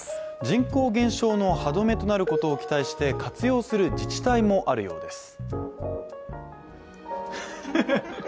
人口減少の歯止めとなることを期待して活用する自治体もあるようです。